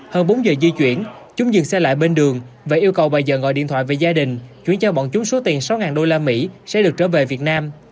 hơn bốn giờ di chuyển chúng dừng xe lại bên đường và yêu cầu bà dơ gọi điện thoại về gia đình chuyển cho bọn chúng số tiền sáu usd sẽ được trở về việt nam